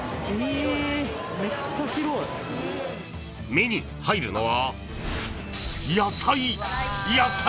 ［目に入るのは］